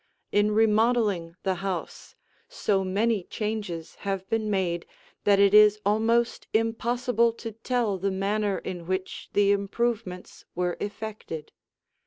In remodeling the house, so many changes have been made that it is almost impossible to tell the manner in which the improvements were effected.